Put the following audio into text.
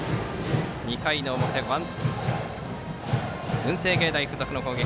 ２回の表文星芸大付属の攻撃。